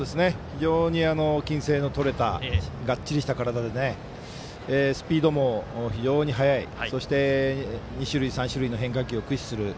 非常に均整が取れたがっちりした体でスピードも非常に速いそして２種類、３種類の変化球を駆使する。